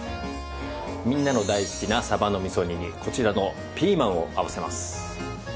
みんなの大好きな鯖の味噌煮にこちらのピーマンを合わせます。